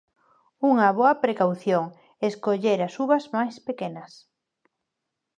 Unha boa precaución, escoller as uvas máis pequenas.